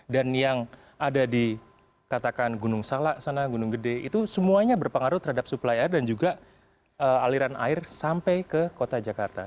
dan yang ada di katakan gunung salak sana gunung gede itu semuanya berpengaruh terhadap suplai air dan juga aliran air sampai ke kota jakarta